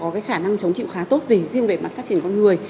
có khả năng chống chịu khá tốt riêng về mặt phát triển con người